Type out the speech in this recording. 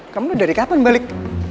kamu dari kapan balik